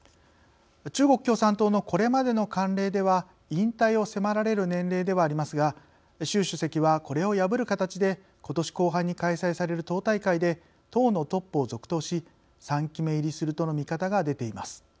中国共産党のこれまでの慣例では引退を迫られる年齢ではありますが習主席は、これを破る形でことし後半に開催される党大会で党のトップを続投し３期目入りするとの見方が出ています。